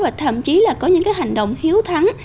và thậm chí là có những cái hành động hiếu thắng